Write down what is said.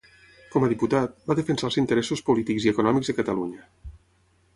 Com a diputat, va defensar els interessos polítics i econòmics de Catalunya.